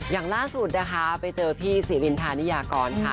อย่างล่าสุดนะคะไปเจอพี่ศรีรินทานิยากรค่ะ